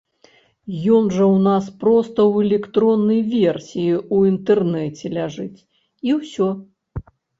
Ён жа ў нас проста ў электроннай версіі ў інтэрнэце ляжыць, і ўсё.